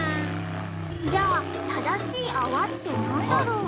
じゃあ正しい泡って何だろう？